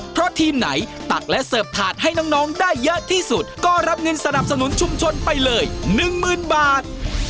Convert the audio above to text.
เพราะทีมไหนตักและเสิร์ฟถาดให้น้องได้เยอะที่สุดก็รับเงินสนับสนุนชุมชนไปเลย๑๐๐๐บาท